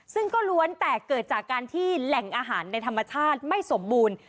ซึ่งก็ล้วนแต่เกิดจากการที่แหล่งอาหารในธรรมชาติไม่สมบูรณ์